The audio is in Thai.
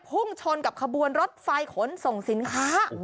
พุ่งชนกับขบวนรถไฟขนส่งสินค้า